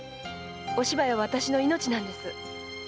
お芝居は私の命なんです。